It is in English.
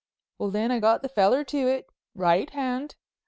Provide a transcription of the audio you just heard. "Well, then, I got the feller to it—right hand.